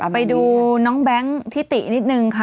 ไปดูน้องแบงค์ทิตินิดนึงค่ะ